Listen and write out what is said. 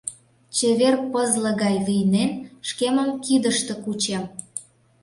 Чевер пызле гай вийнен, шкемым кидыште кучем.